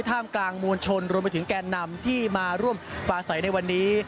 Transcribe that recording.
ท่ามกลางมวลชนรวมไปถึงแกนนำที่มาร่วมปลาใสในวันนี้